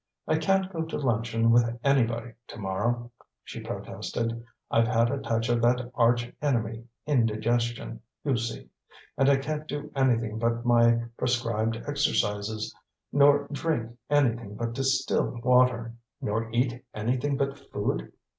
"I can't go to luncheon with anybody, to morrow," she protested. "I've had a touch of that arch enemy, indigestion, you see; and I can't do anything but my prescribed exercises, nor drink anything but distilled water " "Nor eat anything but food!